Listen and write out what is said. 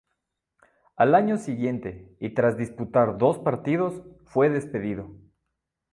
Al año siguiente, y tras disputar dos partidos, fue despedido.